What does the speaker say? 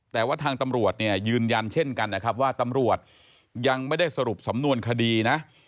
แต่ว่าทางตำรวจเนี่ยยืนยันเช่นกันนะครับว่าตำรวจยังไม่ได้สรุปสำนวนคดีนะ